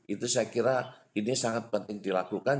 itu saya kira ini sangat penting dilakukan